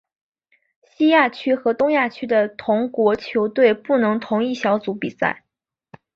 西亚区和东南亚区的同国球队不能同一小组比赛。